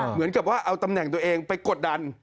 เหมือนกับว่าเอาตำแหน่งตัวเองไปกดดัน